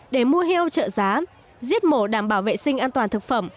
để mua heo trợ giá giết mổ đảm bảo vệ sinh an toàn thực phẩm